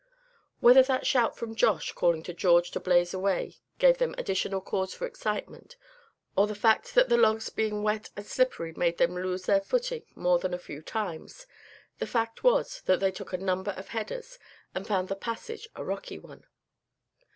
Whether that shout from Josh calling on George to blaze away gave them additional cause for excitement, or the fact of the logs being wet and slippery made them lose their footing more than a few times, the fact was that they took a number of headers, and found the passage a rocky one.